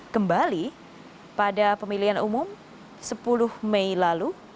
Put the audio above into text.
kembali pada pemilihan umum sepuluh mei lalu